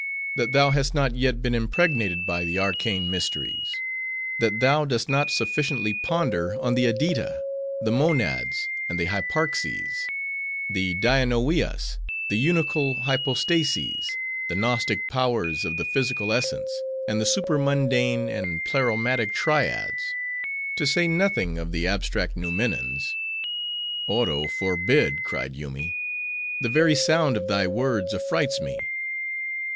that thou hast not yet been impregnated by the arcane mysteries; that thou dost not sufficiently ponder on the Adyta, the Monads, and the Hyparxes; the Dianoias, the Unical Hypostases, the Gnostic powers of the Psychical Essence, and the Supermundane and Pleromatic Triads; to say nothing of the Abstract Noumenons." "Oro forbid!" cried Yoomy; "the very sound of thy words affrights me."